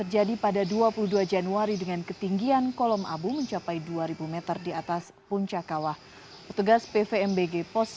pada dua puluh dua januari dengan ketinggian kolom abu mencapai dua ribu m di atas puncak kawah petugas pvmbg pos